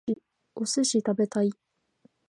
お寿司が食べたい